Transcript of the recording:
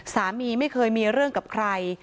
สามีไม่เคยมีเรื่องกับใคร